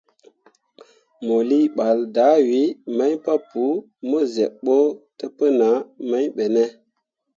Mo lii ɓal dahwii mai papou mo zyeb ɓo təpənah mai ɓe ne?